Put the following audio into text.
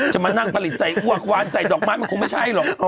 จะมานั่งผลิตใส่อ้วกวานใส่ดอกไม้มันคงไม่ใช่หรอก